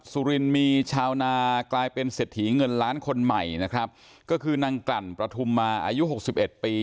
สุรินมีชาวนากลายเป็นเศรษฐีเงินล้านคนใหม่นะครับก็คือนางกลั่นประทุมมาอายุหกสิบเอ็ดปี